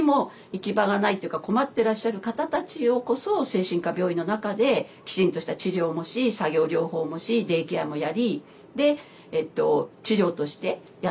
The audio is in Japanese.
困ってらっしゃる方たちこそ精神科病院の中できちんとした治療もし作業療法もしデイケアもやりで治療としてやっていく。